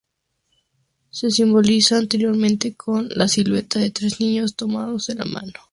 Se simbolizaba anteriormente con la silueta de tres niños tomados de la mano.